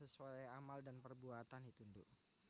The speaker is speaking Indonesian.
sesuai amal dan perbuatan itu mbak